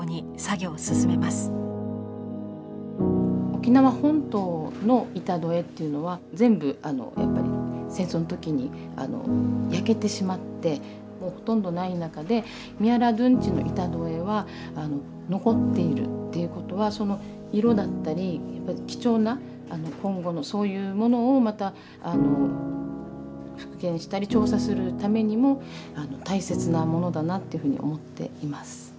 沖縄本島の板戸絵っていうのは全部やっぱり戦争の時に焼けてしまってもうほとんどない中で宮良殿内の板戸絵は残っているっていうことはその色だったりやっぱり貴重な今後のそういうものをまた復元したり調査するためにも大切なものだなっていうふうに思っています。